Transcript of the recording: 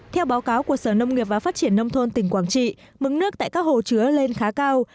theo báo cáo của sở nông nghiệp và phát triển nông thôn tỉnh quảng trị mức nước tại các hồ chứa lên khá cao